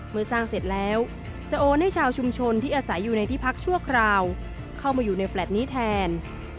เมื่อสร้างเสร็จแล้วจะโอนให้ชาวชุมชนที่อาศัยอยู่ในที่พักชั่วคราวเข้ามาอยู่ในแฟลต์นี้แทน